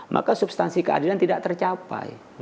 maka substansi keadilan tidak tercapai